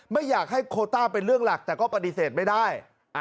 ไม่อยากให้โคต้าเป็นเรื่องหลักแต่ก็ปฏิเสธไม่ได้